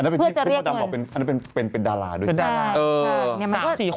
เพื่อจะเรียกเงินอันนั้นเป็นดาราด้วยใช่ไหมใช่นี่มันก็